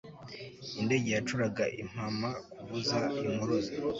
indege yacuraga impama kuvuza impuruza